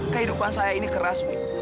kehidupan saya ini keras